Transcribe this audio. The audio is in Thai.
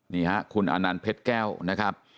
นี่ฮะคุณอนันต์เพชรแก้วนะครับ